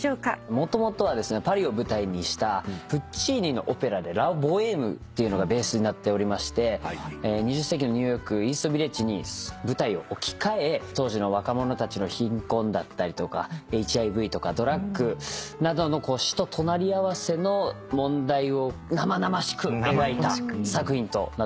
もともとはですねパリを舞台にしたプッチーニのオペラで『ラ・ボエーム』っていうのがベースになっておりまして２０世紀のニューヨークイーストヴィレッジに舞台を置き換え当時の若者たちの貧困だったりとかＨＩＶとかドラッグなどの死と隣り合わせの問題を生々しく描いた作品となっております。